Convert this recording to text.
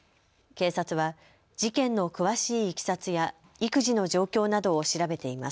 警察は事件の詳しいいきさつや育児の状況などを調べています。